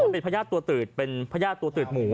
เป็นพระญาติตัวตืดหมู